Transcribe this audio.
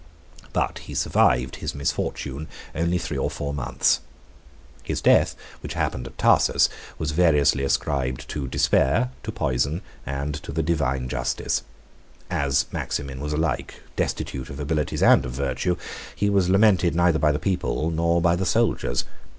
But he survived his misfortune only three or four months. His death, which happened at Tarsus, was variously ascribed to despair, to poison, and to the divine justice. As Maximin was alike destitute of abilities and of virtue, he was lamented neither by the people nor by the soldiers.